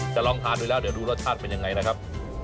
ลองทานดูแล้วเดี๋ยวดูรสชาติเป็นยังไงนะครับ